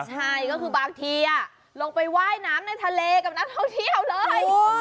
ใช่ก็คือบางทีลงไปว่ายน้ำในทะเลกับนักท่องเที่ยวเลย